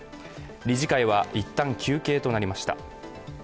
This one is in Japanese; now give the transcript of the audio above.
理事会は一旦休憩となりました。